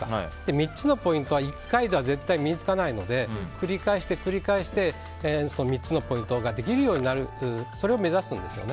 ３つのポイントは１回では絶対身に付かないので繰り返して繰り返して３つのポイントができるようになるそれを目指すんですよね。